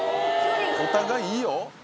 お互いいいよ